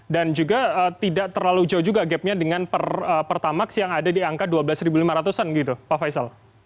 dan juga tidak terlalu jauh juga gapnya dengan pertamax yang ada di angka dua belas lima ratus an gitu pak faisal